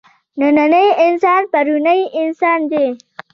نننی انسان پروني انسان دی.